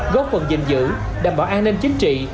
góp phần dình dữ đảm bảo an ninh chính trị